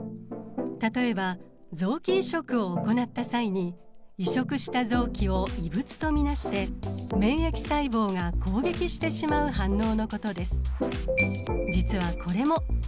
例えば臓器移植を行った際に移植した臓器を異物と見なして免疫細胞が攻撃してしまう反応のことです。